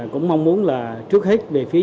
cũng mong muốn là trước hết về phía nhà